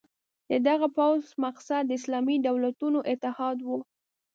د دغه پوځ مقصد د اسلامي دولتونو اتحاد وو.